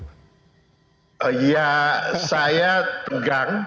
ya saya tegang dan agak stres kan karena saya menteri olahraga pasti